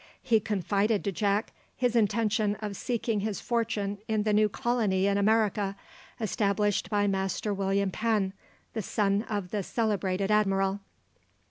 He confided to Jack his intention of seeking his fortune in the new colony in America, established by Master William Penn, the son of the celebrated Admiral.